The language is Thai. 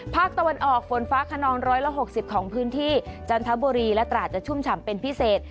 ภาคตะวันออกฝนฟ้าขนอง๑๖๐ของพื้นที่จันทบุรีและตราดจะชุ่มฉ่ำเป็นพิเศษ